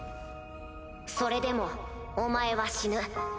それでもお前は死ぬ。